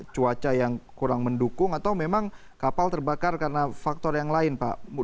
cuaca yang kurang mendukung atau memang kapal terbakar karena faktor yang lain pak